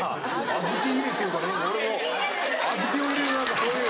・小豆入れっていうから俺も小豆を入れる何かそういう。